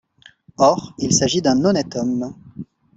Or il s'agit d'un honnête homme.